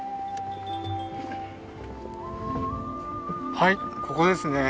はいここですね。